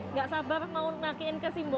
nggak sabar mau pakaikan ke simbo